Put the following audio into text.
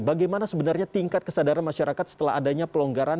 bagaimana sebenarnya tingkat kesadaran masyarakat setelah adanya pelonggaran